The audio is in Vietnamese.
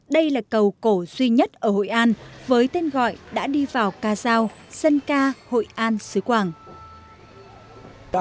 đây là cầu cổ duy nhất ở hội an với tên gọi đã đi vào ca giao sơn ca hội an xứ quảng